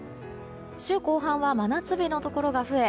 週後半は真夏日のところが増え